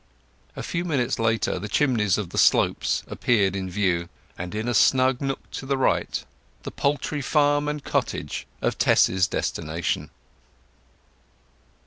A few minutes later the chimneys of The Slopes appeared in view, and in a snug nook to the right the poultry farm and cottage of Tess's destination.